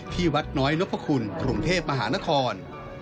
ที่วัดน้อยนพคุณกรุงเทพมหานคร